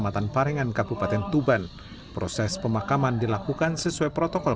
pemakaman di kecamatan parengan kabupaten tuban proses pemakaman dilakukan sesuai protokol